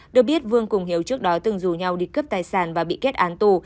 được biết vương cùng hiếu trước đó từng rủ nhau đi cướp tài sản và bị kết án tù